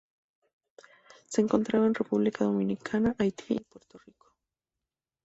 Se encontraba en República Dominicana Haití y Puerto Rico.